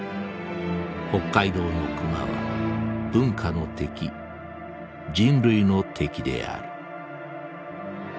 北海道の熊は文化の敵人類の敵である」。